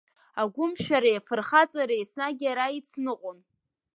Агәымшәареи афырхаҵареи еснагь иара ицныҟәон.